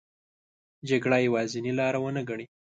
جګړه یوازینې لار ونه ګڼي.